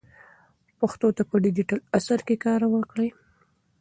پښتو ته په ډیجیټل عصر کې کار وکړئ.